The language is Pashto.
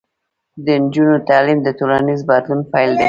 د نجونو تعلیم د ټولنیز بدلون پیل دی.